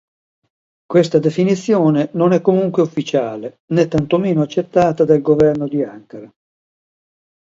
Questa definizione non è comunque ufficiale, né tantomeno accettata dal governo di Ankara.